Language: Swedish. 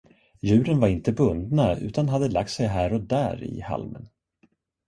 Djuren var inte bundna, utan hade lagt sig här och där i halmen.